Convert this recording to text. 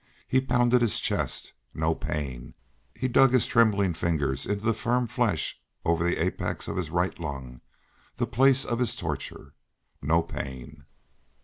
He pounded his chest no pain! He dug his trembling fingers into the firm flesh over the apex of his right lung the place of his torture no pain!